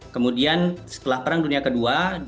kemudian setelah perang dunia ii